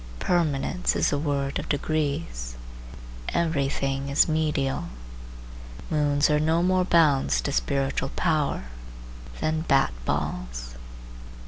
Permanence is a word of degrees. Every thing is medial. Moons are no more bounds to spiritual power than bat balls.